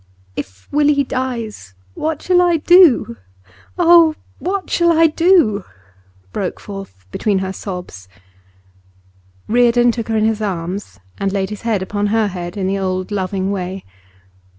'If Willie dies, what shall I do? Oh, what shall I do?' broke forth between her sobs. Reardon took her in his arms, and laid his hand upon her head in the old loving way.